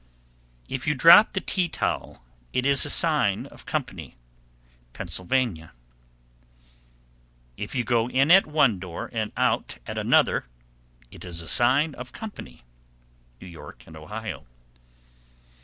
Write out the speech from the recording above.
_ 749. If you drop the tea towel, it is a sign of company. Pennsylvania. 750. If you go in at one door and out at another, it is a sign of company. _New York and Ohio.